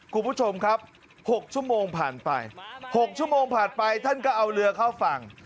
คุณผู้ชมครับ๖ชั่วโมงผ่านไป๖ชั่วโมงผ่านไปท่านก็เอาเรือเข้าฝั่ง